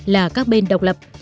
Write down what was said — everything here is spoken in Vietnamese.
là các bên độc lập